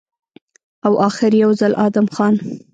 او اخر يو ځل ادم خان